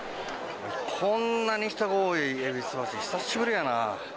こんなに人が多い戎橋、久しぶりやな。